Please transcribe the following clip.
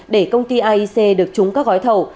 để công ty aic được trúng các gói thầu